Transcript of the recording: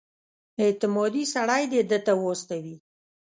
اعتمادي سړی دې ده ته واستوي.